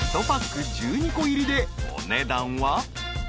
［１パック１２個入りでお値段は？］